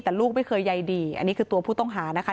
แต่ลูกไม่เคยใยดีอันนี้คือตัวผู้ต้องหานะคะ